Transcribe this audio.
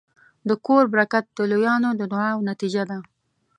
د کور برکت د لویانو د دعاوو نتیجه ده.